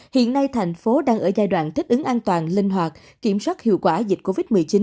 hiện nay thành phố đang ở giai đoạn thích ứng an toàn linh hoạt kiểm soát hiệu quả dịch covid một mươi chín